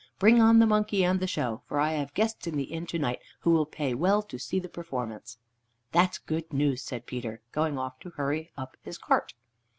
Bring on the monkey and the show, for I have guests in the inn to night who will pay well to see the performance." "That's good news," said Peter, going off to hurry up his cart.